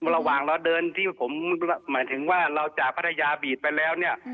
ระหว่างเราเดินที่ผมหมายถึงว่าเราจากพัทยาบีดไปแล้วเนี่ย